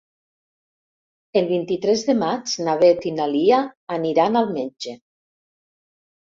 El vint-i-tres de maig na Beth i na Lia aniran al metge.